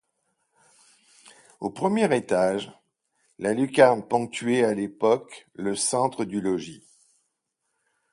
Au premier étage, la lucarne ponctuait à l'époque le centre du logis.